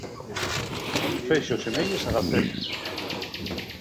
Fexo semeyes a gaceles.